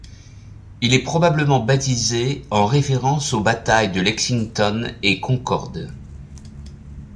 Il est probablement baptisé en référence aux batailles de Lexington et Concord.